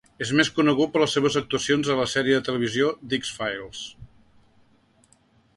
És més conegut per les seves actuacions a la sèrie de televisió 'The X-Files'.